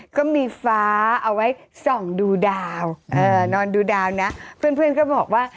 ก็มีฟ้าเอาไว้ส่องดูดาวนอนดูดาวนะเพื่อนก็บอกว่า